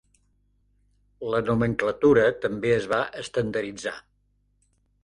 La nomenclatura també es va estandarditzar.